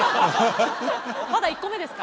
まだ１個目ですから。